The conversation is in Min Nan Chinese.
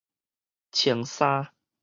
穿衫